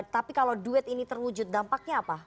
tapi kalau duet ini terwujud dampaknya apa